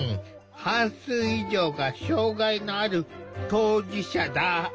半数以上が障害のある当事者だ。